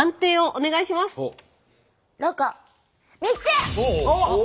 おっ！